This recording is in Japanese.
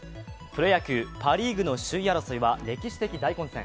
プロ野球、パ・リーグの首位争いは歴史的大混戦。